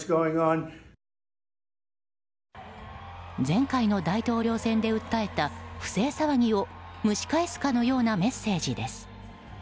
前回の大統領選で訴えた不正騒ぎを蒸し返すかのようなメッセージです。